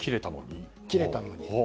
切れたのに。